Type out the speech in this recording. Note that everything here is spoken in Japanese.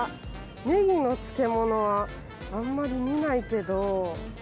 ネギの漬物はあんまり見ないけど。